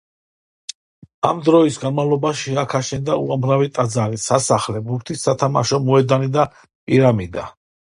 ამ დროის განმავლობაში აქ აშენდა უამრავი ტაძარი, სასახლე, ბურთის სათამაშო მოედანი და პირამიდა.